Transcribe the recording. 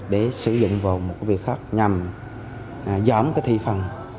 để sử dụng vào một việc khác nhằm giám thị phần